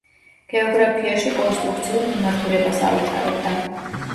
გეოგრაფიაში კონსტრუქციულ მიმართულებას ავითარებდა.